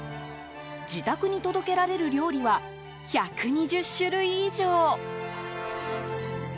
自宅に届けられる料理は１２０種類以上。